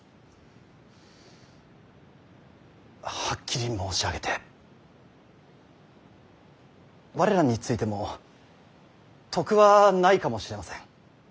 はっきり申し上げて我らについても得はないかもしれません。